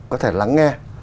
có thể lắng nghe